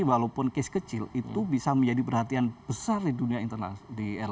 ini walaupun kes kecil itu bisa menjadi perhatian besar di dunia internasional